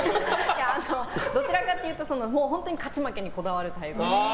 どちらかというと本当に勝ち負けにこだわるタイプ。